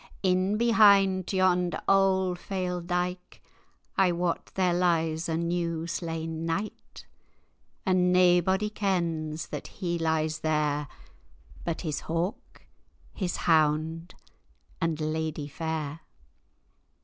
"—[#] moan. "In behint yon auld fail dyke, I wot there lies a new slain knight; And naebody kens that he lies there, But his hawk, his hound, and lady fair.